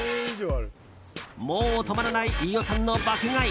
もう止まらない飯尾さんの爆買い。